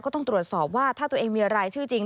ต้องตรวจสอบว่าถ้าตัวเองมีรายชื่อจริง